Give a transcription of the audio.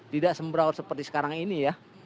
tidak sembraut seperti sekarang ini ya